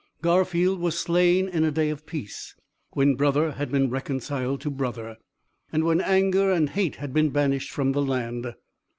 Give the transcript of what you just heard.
Garfield was slain in a day of peace, when brother had been reconciled to brother, and when anger and hate had been banished from the land.